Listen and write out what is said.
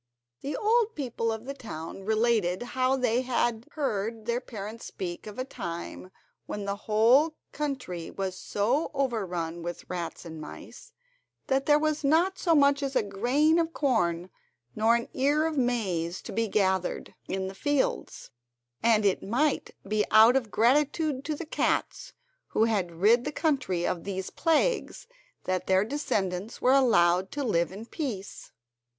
The old people of the town related how they had heard their parents speak of a time when the whole country was so overrun with rats and mice that there was not so much as a grain of corn nor an ear of maize to be gathered in the fields; and it might be out of gratitude to the cats who had rid the country of these plagues that their descendants were allowed to live in peace.